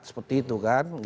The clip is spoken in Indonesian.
seperti itu kan